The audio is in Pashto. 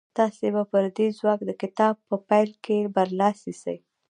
تاسې به پر دې ځواک د کتاب په پيل کې برلاسي شئ.